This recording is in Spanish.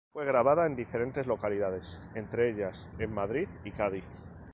Fue grabada en diferentes localidades entre ellas en Madrid y Cádiz.